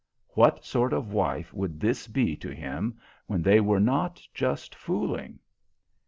What sort of wife would this be to him when they were not just fooling?